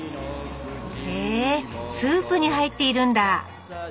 へえスープに入っているんだ。